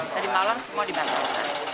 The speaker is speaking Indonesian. tadi malam semua di bandara